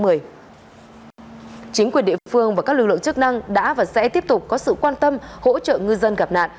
chính quyền địa phương và các lực lượng chức năng đã và sẽ tiếp tục có sự quan tâm hỗ trợ ngư dân gặp nạn